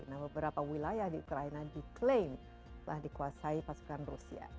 nah beberapa wilayah di ukraina diklaim telah dikuasai pasukan rusia